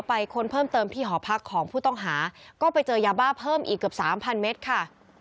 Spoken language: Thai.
ค้นเพิ่มเติมที่หอพักของผู้ต้องหาก็ไปเจอยาบ้าเพิ่มอีกเกือบสามพันเมตรค่ะ